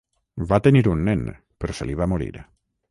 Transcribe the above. Va tenir un nen, però se li va morir.